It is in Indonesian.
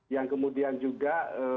yang kemudian juga